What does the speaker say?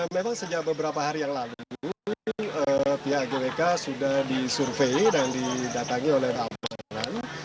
memang sejak beberapa hari yang lalu pihak gwk sudah disurvey dan didatangi oleh almonan